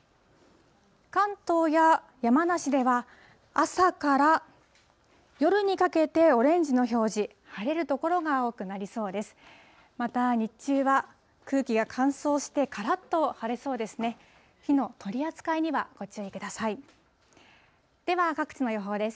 関東や山梨では朝から夜にかけてオレンジの表示、晴れる所が多くなりそうです。